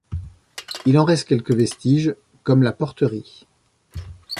Il en reste quelques vestiges, comme la porterie.